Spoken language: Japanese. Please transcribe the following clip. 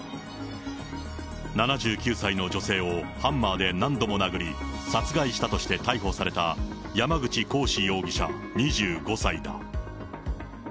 ７９歳の女性をハンマーで何度も殴り、殺害したとして逮捕された、山口鴻志容疑者２５歳だ。